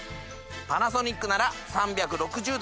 パナソニックなら３６０°